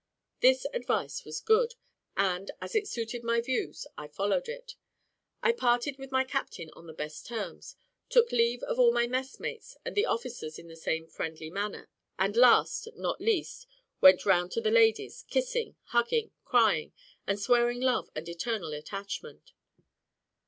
This advice was good, and, as it suited my views, I followed it. I parted with my captain on the best terms, took leave of all my messmates and the officers in the same friendly manner, and last, not least, went round to the ladies, kissing, hugging, crying, and swearing love and eternal attachment.